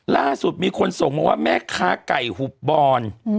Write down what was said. ล่าสุดมีคนส่งมาว่าแม่ค้าไก่หุบบอน